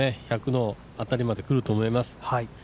１００の辺りまで来ると思います。